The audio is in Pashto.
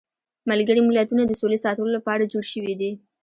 ملګري ملتونه د سولې ساتلو لپاره جوړ شویدي.